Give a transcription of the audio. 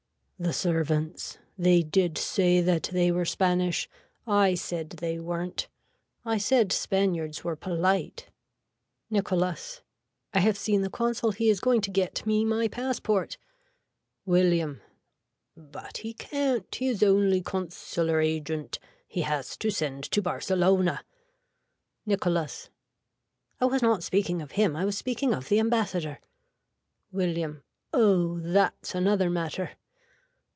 The servants. They did say that they were Spanish. I said they weren't. I said Spaniards were polite. (Nicholas.) I have seen the consul he is going to get me my passport. (William.) But he can't he is only consular agent. He has to send to Barcelona. (Nicholas.) I was not speaking of him. I was speaking of the ambassador. (William.) Oh that's another matter.